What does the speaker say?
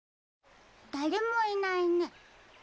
だれもいないね。